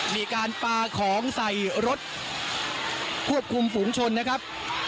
มีการปลาของใส่รถควบคุมฝุงชนนะครับ